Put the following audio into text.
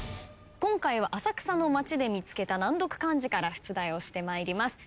今回は浅草の街で見つけた難読漢字から出題をしてまいります。